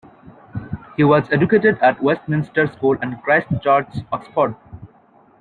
He was educated at Westminster School and Christ Church, Oxford.